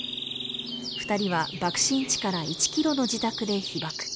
２人は爆心地から１ｋｍの自宅で被爆。